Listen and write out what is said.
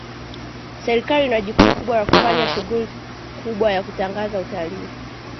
serikali ina jukumu kubwa la kufanya shughuli kubwa ya kutangaza utalii